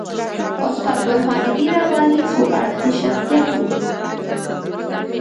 استاد برهان الدین رباني څو اړخیز شخصیت وو.